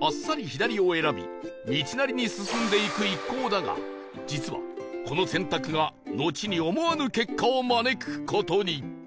あっさり左を選び道なりに進んでいく一行だが実はこの選択がのちに思わぬ結果を招く事に